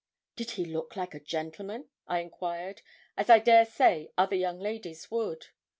'Did he look like a gentleman?' I inquired, as I dare say, other young ladies would.